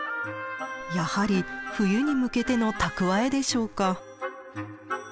やはり冬に向けての蓄えでしょうか。